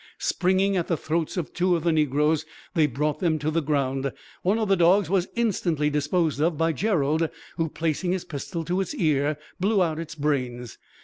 Springing at the throats of two of the negroes, they brought them to the ground. One of the dogs was instantly disposed of by Gerald; who, placing his pistol to its ear, blew out its brains.